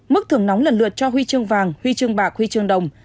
mức thưởng nóng lần lượt cho huy chương vàng huy chương bạc huy chương đồng